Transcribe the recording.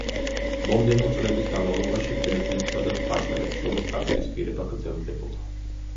მომდევნო წლების განმავლობაში ბერძნებსა და სპარსელებს შორის დაპირისპირება გრძელდებოდა.